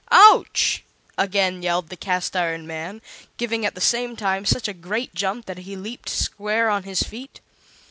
"Ouch!" again yelled the Cast iron Man, giving at the same time such a great jump that he leaped square on his feet.